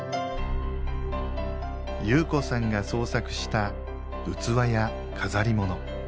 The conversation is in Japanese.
侑子さんが創作した器や飾り物。